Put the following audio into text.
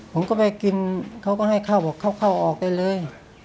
ผมก็ไปกินเขาก็ให้เข้าบอกเข้าออกได้เลย